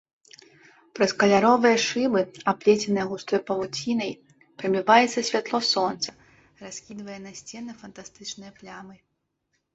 Праз каляровыя шыбы, аплеценыя густой павуцінай, прабіваецца святло сонца, раскідвае на сцены фантастычныя плямы.